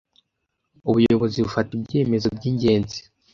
Ubuyobozi bufata ibyemezo byingenzi.